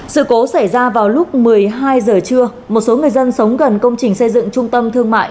sự cố xảy ra vào lúc một mươi hai giờ trưa một số người dân sống gần công trình xây dựng trung tâm thương mại